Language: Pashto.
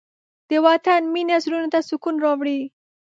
د وطن مینه زړونو ته سکون راوړي.